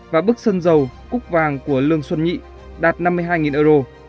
và bức sơn dầu cúc vàng của lương xuân nhị đạt năm mươi hai euro